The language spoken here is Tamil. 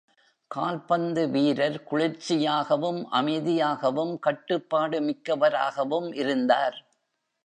கால்பந்து வீரர் குளிர்ச்சியாகவும், அமைதியாகவும், கட்டுப்பாடுமிக்கவராகவும் இருந்தார்.